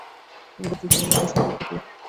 তোমাদের দুজনের মধ্য সম্পর্ক কী?